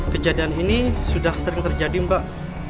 kejadian ini sudah sering terjadi mbak